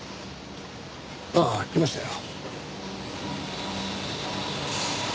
ああ来ましたよ。